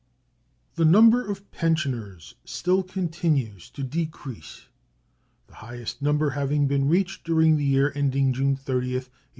The number of pensioners still continues to decrease, the highest number having been reached during the year ending June 30, 1873.